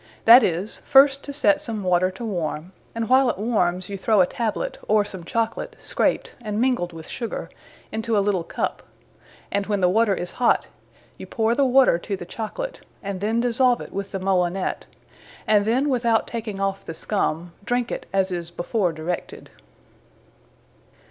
That is, first to set some water to warm; and while it warms, you throw a Tablet, or some Chocolate, scraped, and mingled with sugar, into a little Cup; and when the water is hot, you powre the water to the Chocolate, and then dissolve it with the Molinet; and then without taking off the scum, drink it as is before directed.